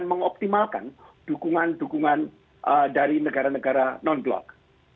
mengoptimalkan dukungan dukungan dari negara negara non blok